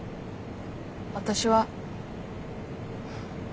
私は。